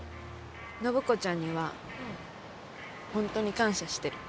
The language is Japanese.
暢子ちゃんには本当に感謝してる。